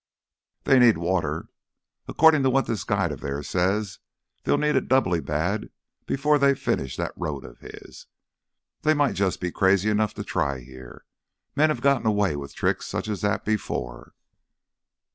"They need water. Accordin' to what this guide of theirs says, they'll need it doubly bad before they finish that road of his. They might just be crazy enough to try here—men have gotten away with tricks such as that before."